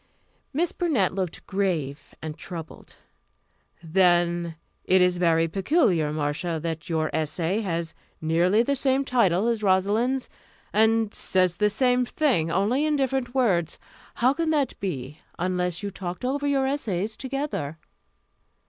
Miss Burnett looked grave and troubled. "Then it is very peculiar, Marcia, that your essay has nearly the same title as Rosalind's, and says the same thing, only in different words. How could that be, unless you talked over your essays together?"